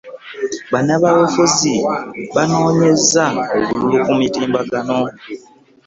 bannabyabufuzi banoonyeza obululu ku mutimbagano.